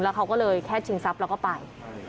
เขาก็เลยแค่ชิงทรัพย์แล้วก็ไป